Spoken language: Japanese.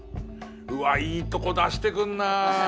いいとこ出してくんなぁ。